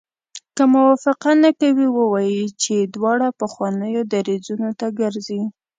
که موافقه نه کوي ووایي چې دواړه پخوانیو دریځونو ته ګرځي.